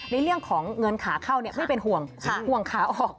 ในเรื่องของเงินขาเข้าไม่เป็นห่วงห่วงขาออก